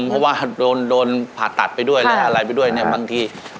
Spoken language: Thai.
เพราะว่าโดนโดนผ่าตัดไปด้วยและอะไรไปด้วยเนี่ยบางที